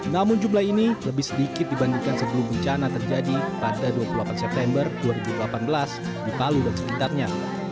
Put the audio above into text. namun jumlah ini lebih sedikit dibandingkan sebelum bencana terjadi pada dua puluh delapan september dua ribu delapan belas di palu dan sekitarnya